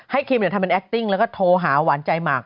ให้คิมเนี่ยทำเป็นแอคติ้งแล้วก็โทหาหวานใจหมาก